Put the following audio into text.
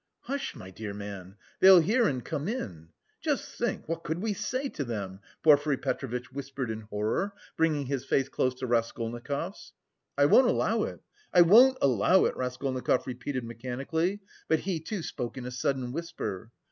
"Hush, my dear man! They'll hear and come in. Just think, what could we say to them?" Porfiry Petrovitch whispered in horror, bringing his face close to Raskolnikov's. "I won't allow it, I won't allow it," Raskolnikov repeated mechanically, but he too spoke in a sudden whisper.